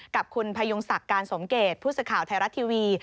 กับคุณพยุงศักดิ์การสมเกตพุทธสุข่าวไทยรัตน์ทีวี